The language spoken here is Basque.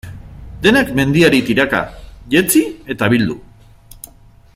Denak mendiari tiraka, jetzi eta bildu?